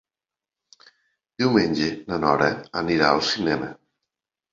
Diumenge na Nora anirà al cinema.